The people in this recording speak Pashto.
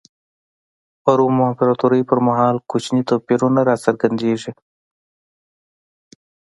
په روم امپراتورۍ پر مهال کوچني توپیرونه را څرګندېږي.